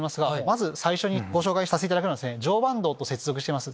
まず最初にご紹介させていただくのは常磐道と接続しております